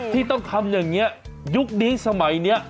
ที่ต้องทำอย่างนี้ยุคนี้สมัยนี้